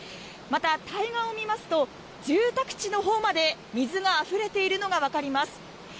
また、対岸を見ますと住宅地のほうまで水があふれているのが分かります。